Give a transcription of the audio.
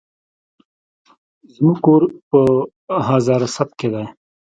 زموکور په هزاراسپ کی دي